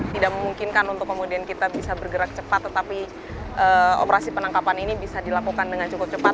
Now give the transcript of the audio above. tidak memungkinkan untuk kemudian kita bisa bergerak cepat tetapi operasi penangkapan ini bisa dilakukan dengan cukup cepat